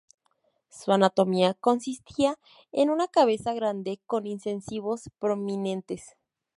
Su anatomía consistía en una cabeza grande con incisivos prominentes.